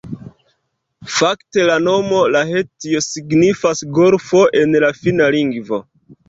Fakte la nomo Lahtio signifas golfo en la finna lingvo.